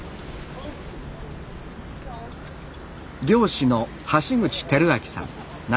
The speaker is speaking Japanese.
漁師の橋口輝明さん。